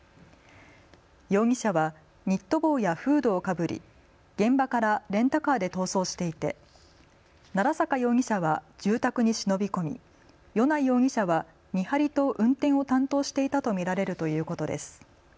容疑者はニット帽やフードをかぶり現場からレンタカーで逃走していて奈良坂容疑者は住宅に忍び込み、米内容疑者は見張りと運転を担当していたと見られるということです。